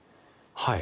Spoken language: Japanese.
はい。